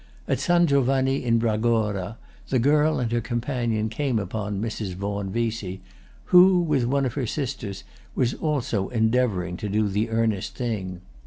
At San Giovanni in Bragora the girl and her companion came upon Mrs. Vaughan Vesey, who, with one of her sisters, was also endeavouring to do the earnest thing.